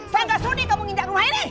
saya gak sudi kamu menginjak rumah ini